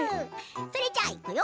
それじゃあ、いくよ！